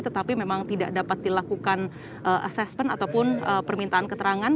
tetapi memang tidak dapat dilakukan assessment ataupun permintaan keterangan